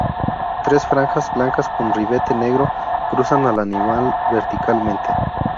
Tres franjas blancas con ribete negro cruzan al animal verticalmente.